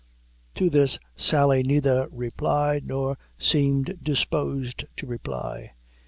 To this Sally neither replied, nor seemed disposed to reply.